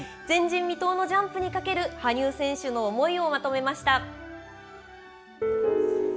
前人未到のジャンプにかける羽生選手の思いをまとめました。